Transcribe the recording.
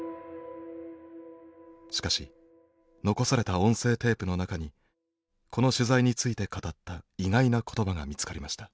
しかし残された音声テープの中にこの取材について語った意外な言葉が見つかりました。